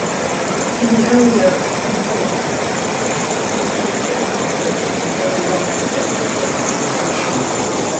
In the earlier "in-order" processors, these stages operated in a fairly lock-step, pipelined fashion.